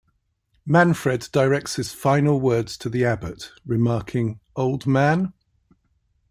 Manfred directs his final words to the Abbot, remarking, Old man!